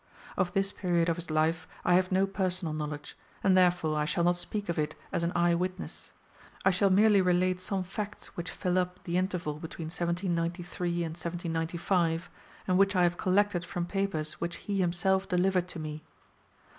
Of this period of his life I have no personal knowledge, and therefore I shall not speak of it as an eye witness. I shall merely relate some facts which fill up the interval between 1793 and 1795, and which I have collected from papers which he himself delivered to me.